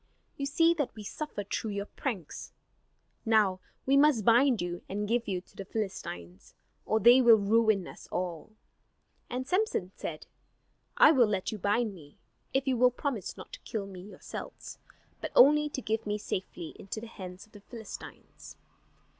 You see that we suffer through your pranks. Now we must bind you and give you to the Philistines, or they will ruin us all." And Samson said, "I will let you bind me, if you will promise not to kill me yourselves; but only to give me safely into the hands of the Philistines."